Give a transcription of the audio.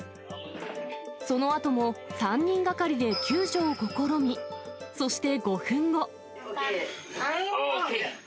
そのあとも、３人がかりで救助を試み、そして５分後。